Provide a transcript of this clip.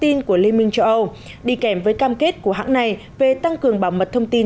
thông tin của liên minh châu âu đi kèm với cam kết của hãng này về tăng cường bảo mật thông tin